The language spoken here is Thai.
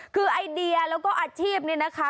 คือไอเดียแล้วก็อาชีพเนี่ยนะคะ